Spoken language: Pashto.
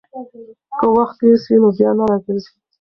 که وخت تېر سي، نو بيا نه راګرځي.